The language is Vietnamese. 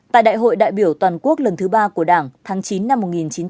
tại đại hội đại biểu toàn quốc lần thứ ba của đảng tháng chín năm một nghìn chín trăm bảy mươi